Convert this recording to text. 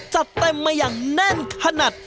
จัดเต็มมาอย่างแน่นขนาด